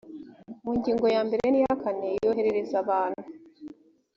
mu ngingo ya mbere n iya kane yoherereza abantu